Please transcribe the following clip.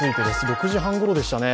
６時半ごろでしたね。